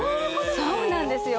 そうなんですよ